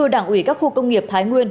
đảng ủy các khu công nghiệp thái nguyên